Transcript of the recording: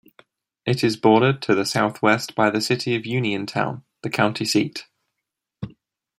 It is bordered to the southwest by the city of Uniontown, the county seat.